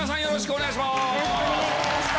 よろしくお願いします。